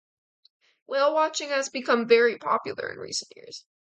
Whale watching has become very popular in recent years.